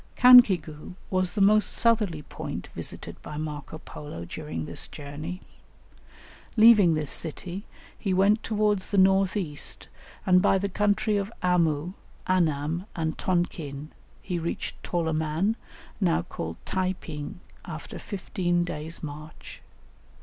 Cancigu was the most southerly point visited by Marco Polo, during this journey. Leaving this city, he went towards the north east, and by the country of Amu, Anam, and Tonkin, he reached Toloman, now called Tai ping, after fifteen days' march.